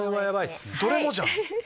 どれもじゃん。